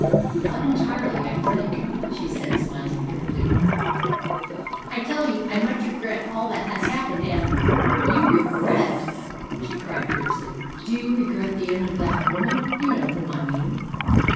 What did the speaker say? "Not entirely, I think," she said, smiling bitterly. "I tell you, I much regret all that has happened, and " "You regret!" she cried fiercely. "Do you regret the end of that woman you know whom I mean?"